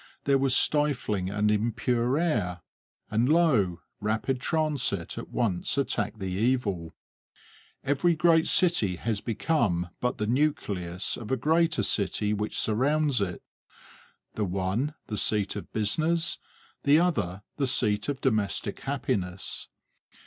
There was stifling and impure air, and lo, rapid transit at once attacked the evil. Every great city has become but the nucleus of a greater city which surrounds it; the one the seat of business, the other the seat of domestic happiness.